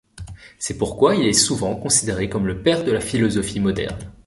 C'est pourquoi il est souvent considéré comme le père de la philosophie moderne.